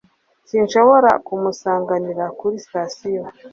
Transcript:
Sinashoboraga kumusanganira kuri sitasiyo